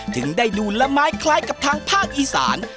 ถึงได้ดูละไม้คล้ายกับทางภาคอีสาน